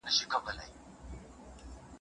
سياسي پرېکړي بايد د قانون په چوکاټ کي وي.